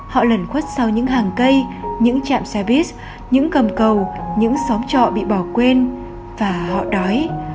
họ lần khuất sau những hàng cây những chạm xe bus những cầm cầu những xóm trọ bị bỏ quên và họ đói